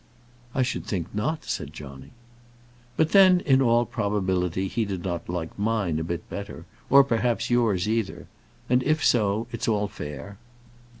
"I should think not," said Johnny. "But then in all probability he did not like mine a bit better, or perhaps yours either. And if so it's all fair."